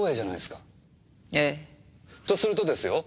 ええ。とするとですよ